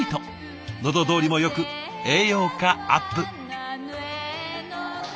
喉通りもよく栄養価アップ。